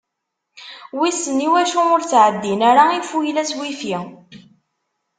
Wissen iwacu ur ttɛeddin ara ifuyla s WiFi?